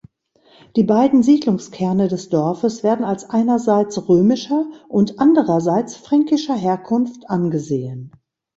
Die beiden Siedlungskerne des Dorfes werden als einerseits römischer und andererseits fränkischer Herkunft angesehen.